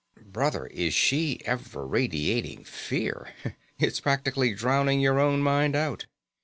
Brother, is she ever radiating fear! It's practically drowning your own mind out."